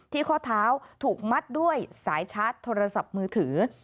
ข้อเท้าถูกมัดด้วยสายชาร์จโทรศัพท์มือถือ